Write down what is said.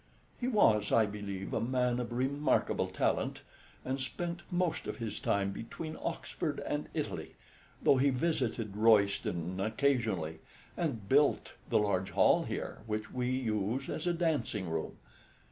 He was, I believe, a man of remarkable talent, and spent most of his time between Oxford and Italy, though he visited Royston occasionally, and built the large hall here, which we use as a dancing room.